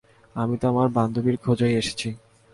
আমি তো আমার বান্ধবীর খোঁজেই এসেছি।